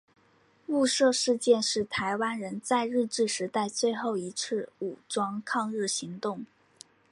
雾社事件是台湾人在日治时代最后一次武装抗日行动。